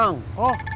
aku mau pergi